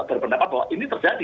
berpendapat bahwa ini terjadi